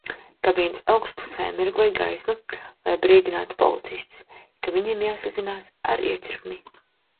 Kabīnes augšpusē mirgoja gaisma, lai brīdinātu policistus, ka viņiem jāsazinās ar iecirkni.